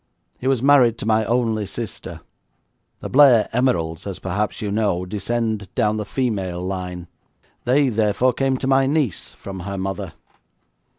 He was married to my only sister. The Blair emeralds, as perhaps you know, descend down the female line. They, therefore, came to my niece from her mother.